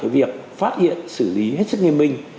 việc phát hiện xử lý hết sức nghiên minh